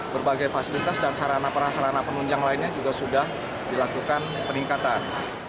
berbagai fasilitas dan sarana perasarana penunjang lainnya juga sudah dilakukan peningkatan